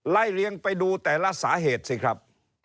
ไล่เลี้ยงไปดูแต่ละสาเหตุสิครับ